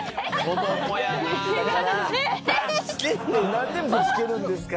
何でぶつけるんですか。